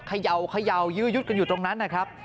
เขย่ายื้อยุดกันอยู่ตรงนั้นนะครับ